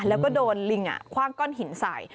แล้วก็โดนลิงคว่างก้อนหินใส่